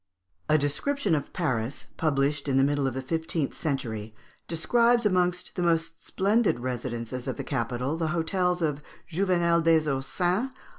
A description of Paris, published in the middle of the fifteenth century, describes amongst the most splendid residences of the capital the hotels of Juvénal des Ursins (Fig.